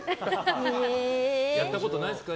やったことないですか？